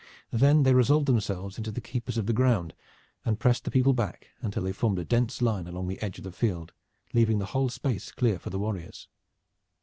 Then they resolved themselves into the keepers of the ground, and pressed the people back until they formed a dense line along the edge of the field, leaving the whole space clear for the warriors.